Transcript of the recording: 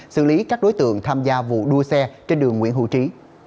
xử lý các đối tượng tham gia vụ đua xe trên đường nguyễn hữu trí